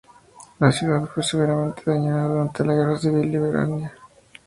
La ciudad fue severamente dañada durante la Guerra Civil Liberiana.